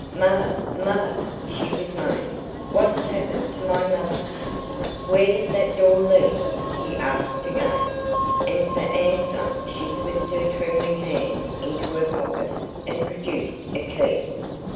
"Mother, mother!" she was moaning, "what has happened to my mother?" "Where does that door lead?" he asked again, and for answer she slipped her trembling hand into her pocket and produced a key.